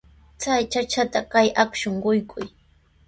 Chay chachata kay akshun quykuy.